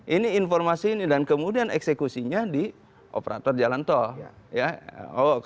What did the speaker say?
ini informasi ini dan kemudian eksekusinya di operator jalan tol